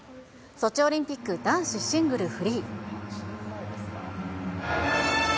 ソチオリンピック男子シングルフリー。